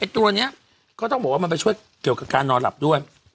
ตัวนี้ก็ต้องบอกว่ามันไปช่วยเกี่ยวกับการนอนหลับด้วย